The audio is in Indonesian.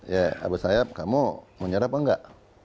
ya abu sayyaf kamu mau nyerap atau nggak